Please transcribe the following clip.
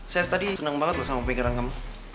saya tadi seneng banget sama pemikiran kamu